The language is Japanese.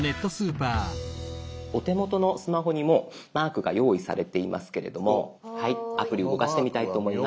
お手元のスマホにもうマークが用意されていますけれどもアプリ動かしてみたいと思います。